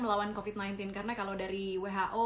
melawan covid sembilan belas karena kalau dari who